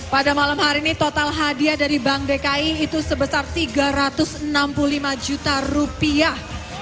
pada malam hari ini total hadiah dari bank dki itu sebesar tiga ratus enam puluh lima juta rupiah